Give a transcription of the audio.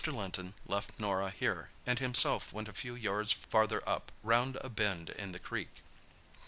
Linton left Norah here, and himself went a few yards farther up, round a bend in the creek.